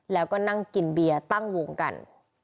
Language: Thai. แล้วก็นั่งกินเบียร์ตั้งวงกัน